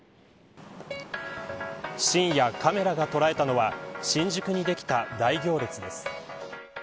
深夜、カメラが捉えたのは新宿にできた大行列です。